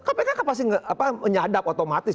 kpk pasti menyadap otomatis